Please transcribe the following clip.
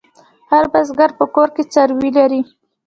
هر بزگر په کور کې څاروي لري.